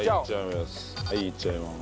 はいいっちゃいます。